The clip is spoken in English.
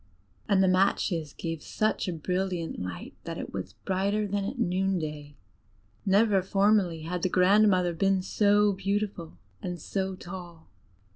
And the matches gave such a brilliant light that it was brighter than at noon day: never formerly had the grandmother been so beautiful and so tall.